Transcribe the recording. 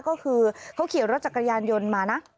ก็คือเขาขี่รถจักรยานยนต์มานะ